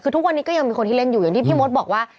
คือทุกวันนี้ก็ยังมีคนที่เล่นอยู่อย่างที่พี่มดบอกว่า